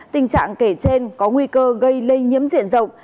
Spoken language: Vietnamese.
tình trạng kể trên có nguy cơ gây lây nhiễm diện rộng